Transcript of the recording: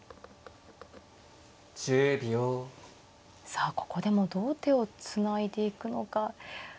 さあここでもどう手をつないでいくのか。